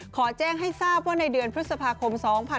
ขอแจ้งให้ทราบว่าในเดือนพฤษภาคม๒๕๖๒